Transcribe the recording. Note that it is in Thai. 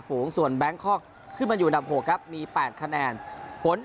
ฝูงส่วนแบงค์คอกขึ้นมาอยู่ดับหกครับมีแปดคะแนนผล